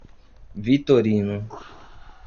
Vitorino